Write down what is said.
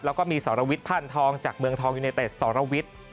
แล้วก็มีสรวิทย์พันธองจากเมืองทองยูเนเต็ดสรวิทย์